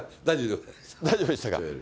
大丈夫でしたか。